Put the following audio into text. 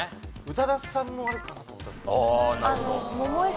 宇多田さんもあるかなと思ったんですけど。